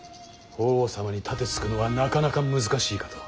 法皇様に盾つくのはなかなか難しいかと。